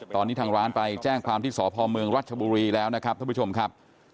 ตอนนี้ทางร้านไปแจ้งความที่สพเมืองรัชบุรีแล้วนะครับท่านผู้ชมครับ